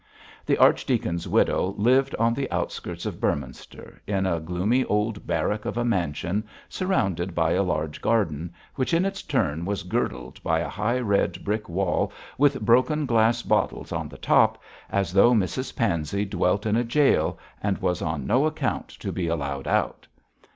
The archdeacon's widow lived on the outskirts of Beorminster, in a gloomy old barrack of a mansion, surrounded by a large garden, which in its turn was girdled by a high red brick wall with broken glass bottles on the top, as though Mrs Pansey dwelt in a gaol, and was on no account to be allowed out.